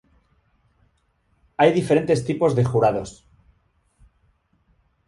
Hay diferentes tipos de jurados.